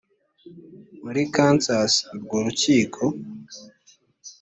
muri kansas urwo rukiko